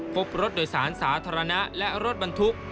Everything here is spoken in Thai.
พบรถโดยสารสาธารณะและรถบรรทุก